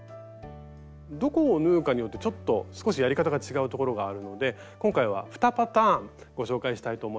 どこを縫うかによってちょっと少しやり方が違うところがあるので今回は２パターンご紹介したいと思います。